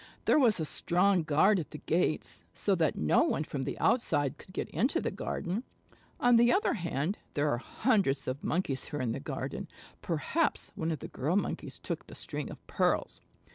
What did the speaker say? There was a strong guard at the gates, so that no one from the outside could get into the garden. On the other hand, there are hundreds of Monkeys here in the garden. Perhaps one of the Girl Monkeys took the string of pearls."